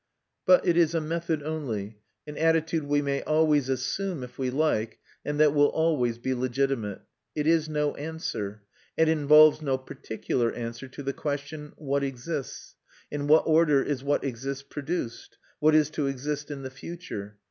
But it is a method only, an attitude we may always assume if we like and that will always be legitimate. It is no answer, and involves no particular answer, to the question: What exists; in what order is what exists produced; what is to exist in the future?